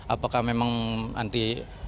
apakah memang nanti